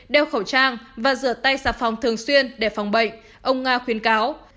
đeo khẩu trang và rửa tay sạp phòng thường xuyên để phòng bệnh ông nga khuyến cáo